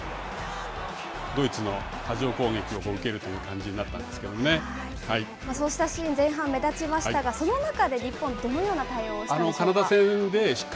ドイツの波状攻撃を受けるというそうしたシーン、前半目立ちましたが、その中で日本、どのような対応をしたんでしょう。